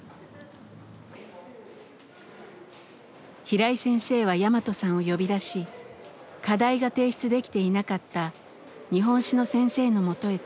平井先生はヤマトさんを呼び出し課題が提出できていなかった日本史の先生のもとへ連れていきました。